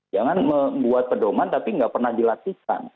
jangan membuat pedoman tapi nggak pernah dilakukan